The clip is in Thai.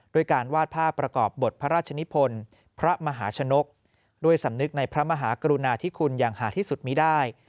ด้วยการวาดภาพประกอบบทพระราชนิพลพระมหาชนกด้วยสำนึกในพระมหากรุณาธิคุณอย่างหาที่สุดมีได้